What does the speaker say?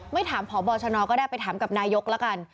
ไม่ถามพบชนก็ได้ไปถามกับนายกแล้วกัน